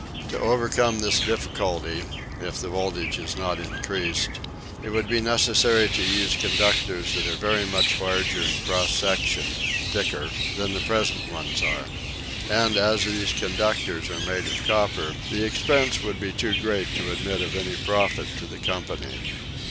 To overcome this difficulty if the voltage is not increased it would be necessary to use conductors that are very much larger in cross section (thicker) than the present ones are. And as these conductors are made of copper the expense would be too great to admit of any profit to the company.